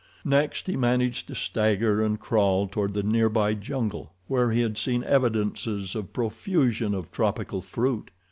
Next he managed to stagger and crawl toward the near by jungle, where he had seen evidences of profusion of tropical fruit.